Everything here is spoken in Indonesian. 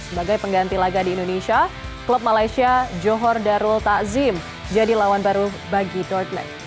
sebagai pengganti laga di indonesia klub malaysia johor darul takzim jadi lawan baru bagi dort black